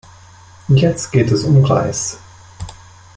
Jetzt geht es um den Reis.